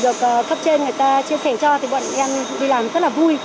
được cấp trên người ta chia sẻ cho thì bọn em đi làm rất là vui